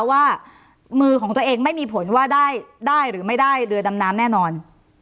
ว่ามือของตัวเองไม่มีผลว่าได้หรือไม่ได้เรือดำน้ำแน่นอน